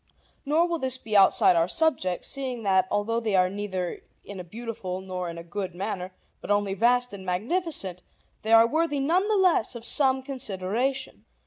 Nor will this be outside our subject, seeing that, although they are neither in a beautiful nor in a good manner but only vast and magnificent, they are worthy none the less of some consideration.